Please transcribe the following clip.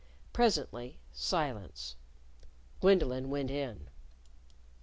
Presently, silence. Gwendolyn went in.